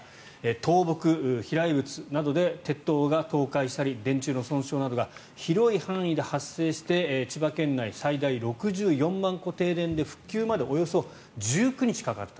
倒木、飛来物などで鉄塔が倒壊したり電柱の損傷などが広い範囲で発生して千葉県内、最大６４万戸停電で復旧までおよそ１９日かかった。